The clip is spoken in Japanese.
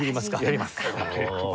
やります！